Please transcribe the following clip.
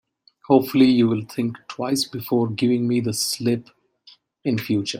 Hopefully, you'll think twice before giving me the slip in future.